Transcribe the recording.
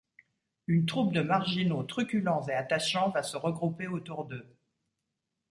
Une troupe de marginaux truculents et attachants va se regrouper autour d’eux.